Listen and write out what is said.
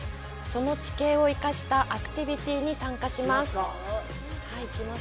その地形を活かしたアクティビティに参加します。